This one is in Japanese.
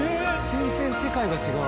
全然世界が違う。